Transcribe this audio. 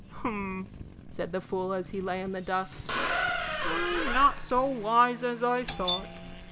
"Hum," said the fool, as he lay in the dust, "I'm not so wise as I thought.